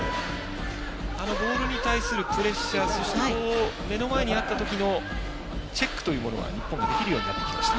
ボールに対するプレッシャー目の前にあった時のチェックは日本はできるようになってきました。